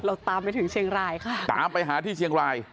ตามไปถึงเชียงรายค่ะตามไปหาที่เชียงราย